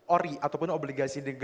ori ataupun obligasi